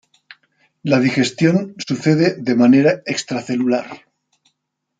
La digestión sucede de manera extracelular.